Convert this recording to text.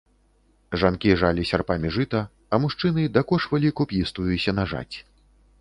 Жанкі жалі сярпамі жыта, а мужчыны дакошвалі куп'істую сенажаць.